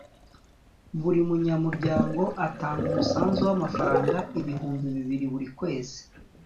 Buri munyamuryango atanga umusanzu w’amafaranga ibihumbi bibiri buri kwezi